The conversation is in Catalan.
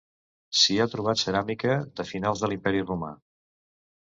S'hi ha trobat ceràmica de finals de l'Imperi romà.